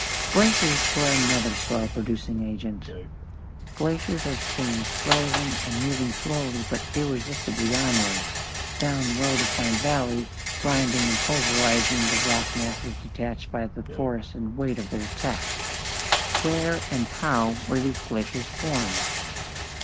Glaciers were another soil producing agent. Glaciers are streams "frozen and moving slowly but irresistibly onwards, down well defined valleys, grinding and pulverizing the rock masses detached by the force and weight of their attack." Where and how were these glaciers formed?